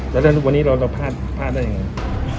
แล้วเรื่องทุกวันนี้เราพลาดพลาดได้ยังไง